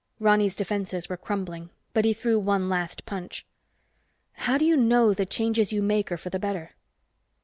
Ronny's defenses were crumbling, but he threw one last punch. "How do you know the changes you make are for the better?"